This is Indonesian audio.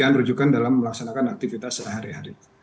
tujukan dalam melaksanakan aktivitas sehari hari